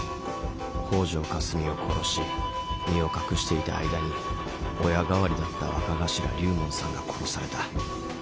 北條かすみを殺し身を隠していた間に親代わりだった若頭龍門さんが殺された。